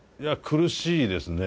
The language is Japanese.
苦しいですね。